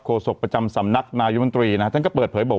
โศกประจำสำนักนายุมนตรีนะฮะท่านก็เปิดเผยบอก